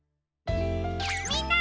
みんな！